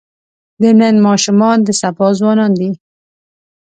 د نن ماشومان د سبا ځوانان دي.